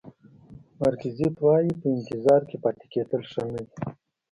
مارک ایزت وایي په انتظار کې پاتې کېدل ښه نه دي.